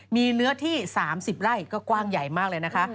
มีเนื้อที่๓๐ไร่ก็กว้างใหญ่มากเลยนะคะ